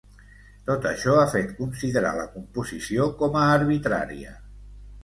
Tot això ha fet considerar la composició com a arbitrària.